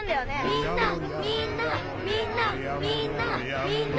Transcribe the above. みんなみんなみんなみんなみんな！